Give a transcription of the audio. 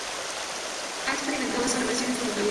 He experimentado esa relación en su totalidad.